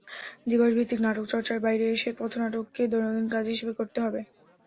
দিবসভিত্তিক নাটক চর্চার বাইরে এসে পথনাটককে দৈনন্দিন কাজ হিসেবে করতে হবে।